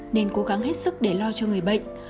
nên cố gắng hết sức để lo cho người bệnh